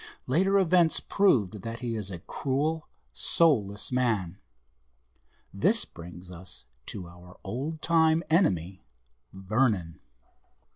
Later events proved that he is a cruel, soulless man. This brings us to our old time enemy, Vernon."